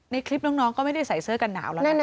ในคลิปน้องก็ไม่ได้ใส่เสื้อกันหนาวแล้วนะ